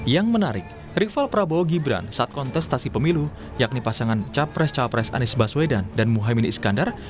yang menarik rival prabowo gibran saat kontestasi pemilu yakni pasangan capres capres anies baswedan dan muhaymin iskandar